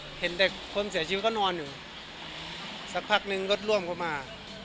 เห็นเด็กคนเสียชีวิตก็นอนอยู่สักพักนึงรถร่วมเข้ามา